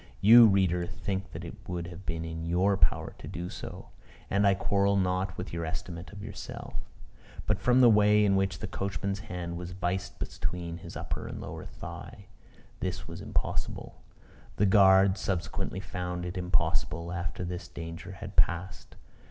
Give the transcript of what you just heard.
You, reader, think that it would have been in your power to do so. And I quarrel not with your estimate of yourself. But, from the way in which the coachman's hand was viced between his upper and lower thigh, this was impossible. The guard subsequently found it impossible, after this danger had passed.